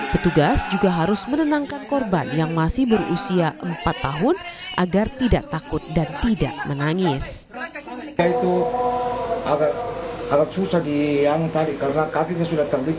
petugas juga harus menenangkan korban yang masih berusia empat tahun agar tidak takut dan tidak menangis